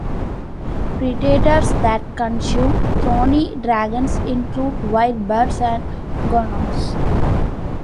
Predators that consume thorny dragons include wild birds and goannas.